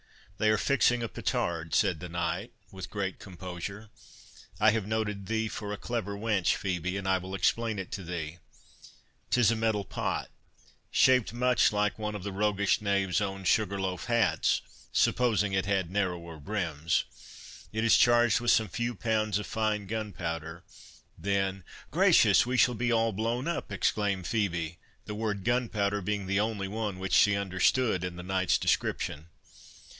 "They are fixing a petard," said the knight, with great composure. "I have noted thee for a clever wench, Phœbe, and I will explain it to thee: 'Tis a metal pot, shaped much like one of the roguish knaves' own sugarloaf hats, supposing it had narrower brims—it is charged with some few pounds of fine gunpowder. Then"— "Gracious! we shall be all blown up!" exclaimed Phœbe,—the word gunpowder being the only one which she understood in the knight's description.